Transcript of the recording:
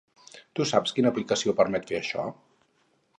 Tu saps quina aplicació permet fer això?